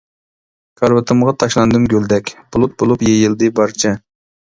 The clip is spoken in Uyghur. كارىۋىتىمغا تاشلاندىم گۈلدەك، بۇلۇت بولۇپ يېيىلدى بارچە.